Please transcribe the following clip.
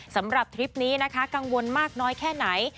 สำหรับทริปนี้นะคะกังวลมากน้อยแค่ไหน